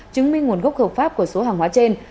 chứng minh nguồn gốc hợp pháp của số hàng hóa trên